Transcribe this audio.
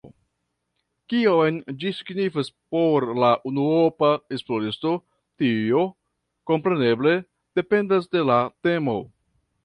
Kion ĝi signifas por la unuopa esploristo, tio kompreneble dependas de la temo.